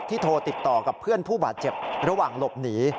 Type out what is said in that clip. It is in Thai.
โทรติดต่อกับเพื่อนผู้บาดเจ็บระหว่างหลบหนี